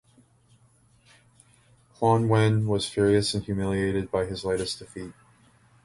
Huan Wen was furious and humiliated by his latest defeat.